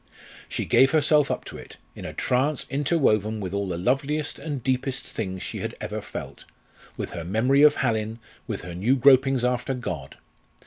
She gave herself up to it, in a trance interwoven with all the loveliest and deepest things she had ever felt with her memory of Hallin, with her new gropings after God.